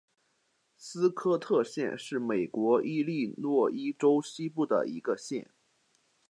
斯科特县是美国伊利诺伊州西部的一个县。